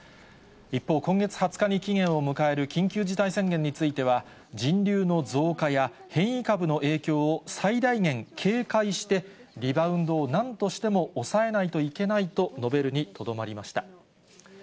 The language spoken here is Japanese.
一方、今月２０日に期限を迎える緊急事態宣言については、人流の増加や変異株の影響を最大限警戒して、リバウンドをなんとしても抑えないといけないと述べるにとどまりました。